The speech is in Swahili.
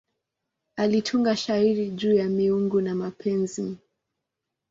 Alitunga shairi juu ya miungu na mapenzi.